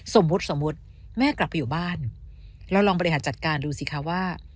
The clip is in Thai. สมมุติสมมุติแม่กลับไปอยู่บ้านเราลองบริหารจัดการดูสิคะว่า